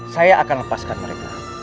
saya akan lepaskan mereka